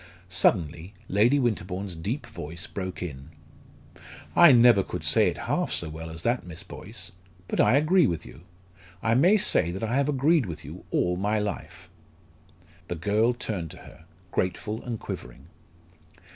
Suddenly Lady Winterbourne's deep voice broke in: "I never could say it half so well as that, Miss Boyce; but I agree with you. I may say that I have agreed with you all my life." The girl turned to her, grateful and quivering.